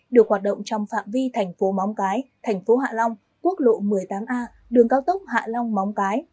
được hoạt động trong phạm vi thành phố móng cái thành phố hạ long quốc lộ một mươi tám a đường cao tốc hạ long móng cái